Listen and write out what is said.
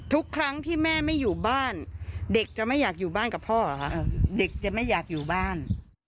ทุกครั้งที่แม่ไม่อยู่บ้านเด็กจะไม่อยากอยู่บ้านกับพ่อเหรอคะเด็กจะไม่อยากอยู่บ้าน